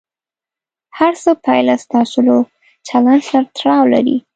د هر څه پایله ستاسو له چلند سره تړاو لري.